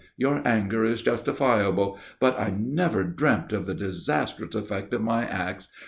Your anger is justifiable. But I never dreamt of the disastrous effect of my acts.